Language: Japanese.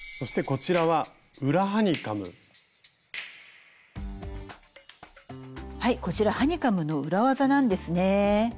こちらハニカムの裏技なんですね。